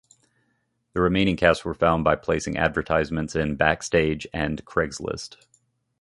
The remaining cast were found by placing advertisements in "Backstage" and "Craigslist".